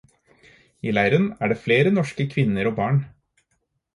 I leiren er det flere norske kvinner og barn.